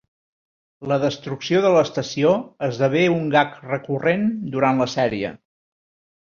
La destrucció de l'estació esdevé un gag recurrent durant la sèrie.